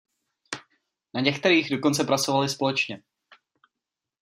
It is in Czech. Na některých dokonce pracovali společně.